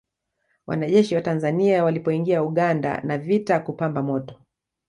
Wanajeshi wa Tanzania walipoingia Uganda na vita kupamba moto